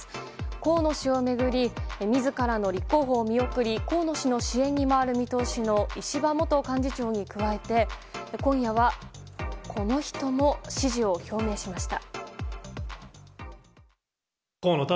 河野氏を巡り自らの立候補を見送り河野氏の支援に回る見通しの石破元幹事長に加えて今夜はこの人も支持を表明しました。